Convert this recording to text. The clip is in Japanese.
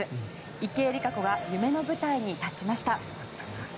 池江璃花子が夢の舞台に立ちました。